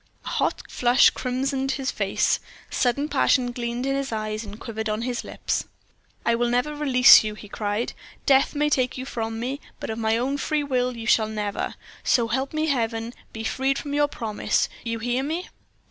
A hot flush crimsoned his face, sudden passion gleamed in his eyes and quivered on his lips. "I will never release you," he cried. "Death may take you from me; but of my own free will you shall never, so help me Heaven, be freed from your promise! You hear me?"